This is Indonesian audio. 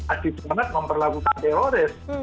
adil banget memperlakukan teroris